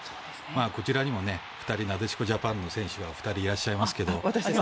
こちらにも２人なでしこジャパンの選手がいらっしゃいますけど。